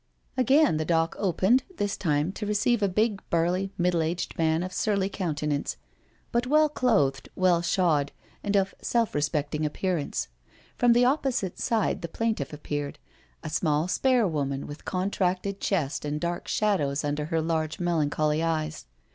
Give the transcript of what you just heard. Again the dock opened, this time to receive a big, burly middle aged man of surly countenance, but well clothed, well shod, and of self respecting appearance. From the opposite side the plaintiff appeared, a small spare woman with contracted chest and dark shadows under her large melancholy eyes.